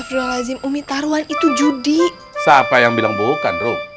razimumi taruhan itu judi saw o eleven bukan row